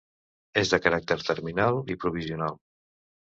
És de caràcter terminal i provisional.